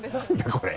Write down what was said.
これ。